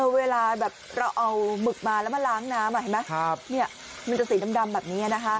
เวลาเราเอามึกมาแล้วมาล้างน้ำมันจะสีดำแบบนี้